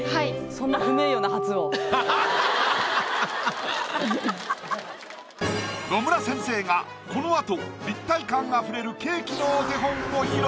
そんな野村先生がこのあと立体感溢れるケーキのお手本を披露。